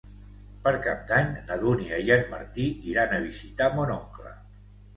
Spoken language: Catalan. Per Cap d'Any na Dúnia i en Martí iran a visitar mon oncle.